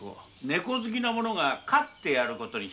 猫好きの者が飼ってやることに。